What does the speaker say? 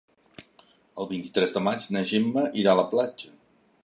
El vint-i-tres de maig na Gemma irà a la platja.